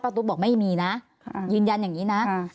ตุ๊กบอกไม่มีนะยืนยันอย่างนี้นะ